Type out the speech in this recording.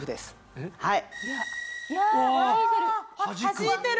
はじいてる！